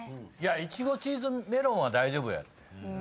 いちごチーズメロンは大丈夫やろ。